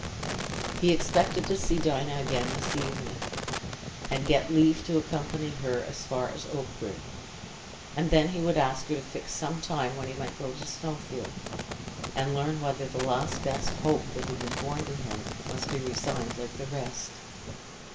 He expected to see Dinah again this evening, and get leave to accompany her as far as Oakbourne; and then he would ask her to fix some time when he might go to Snowfield, and learn whether the last best hope that had been born to him must be resigned like the rest.